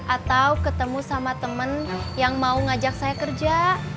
atau ketemu sama temen yang mau ngajak saya kerja